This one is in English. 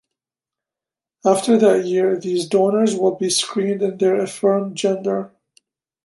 After that year, these donors will be screened in their affirmed gender.